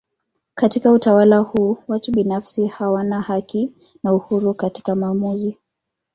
Katika utawala huu watu binafsi hawana haki na uhuru katika maamuzi.